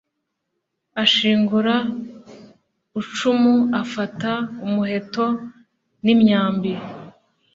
ashingura ucumu afata umuheto nimyambi